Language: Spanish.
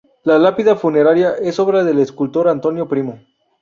La lápida funeraria es obra del escultor Antonio Primo.